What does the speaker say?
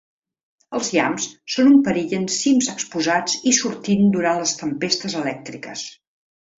Els llamps són un perill en cims exposats i sortint durant les tempestes elèctriques.